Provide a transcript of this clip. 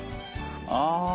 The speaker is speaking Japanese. ああ。